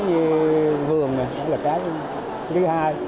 cái như vườn này là cái thứ hai